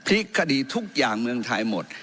คดีทุกอย่างเมืองไทยหมด